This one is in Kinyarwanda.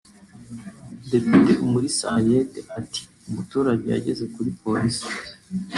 Depite Umulisa Henriette ati « umuturage yageze kuri Polisi